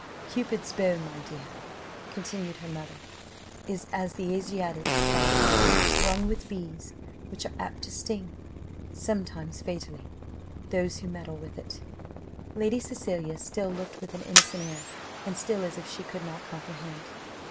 "Cupid's bow, my dear," continued her mother, "is, as the Asiatics tell us, strung with bees, which are apt to sting sometimes fatally those who meddle with it." Lady Cecilia still looked with an innocent air, and still as if she could not comprehend.